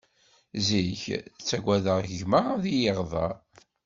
Zik ttaggadeɣ gma ad iyi-iɣdeṛ.